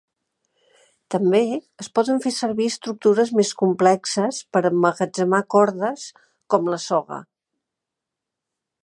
També es poden fer servir estructures més complexes per emmagatzemar cordes com la soga.